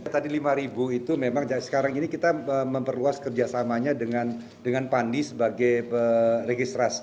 tadi lima itu memang sekarang ini kita memperluas kerjasamanya dengan pandi sebagai registrasi